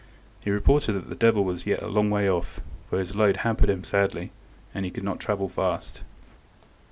He reported that the devil was yet a long way off, for his load hampered him sadly and he could not travel fast.